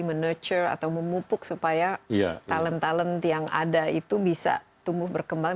menutur atau memupuk supaya talent talent yang ada itu bisa tumbuh berkembang berkembang berkembang